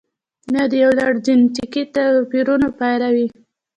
یا د یو لړ جنتیکي توپیرونو پایله وي.